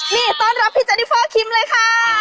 นี่ต้อนรับพี่เจนิเฟอร์คิมเลยค่ะ